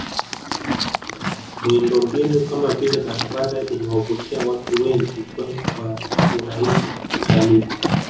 Miundombinu kama vile barabara imewavutia watu wengi kwenda kwa urahisi kutalii